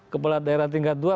kepala daerah tingkat dua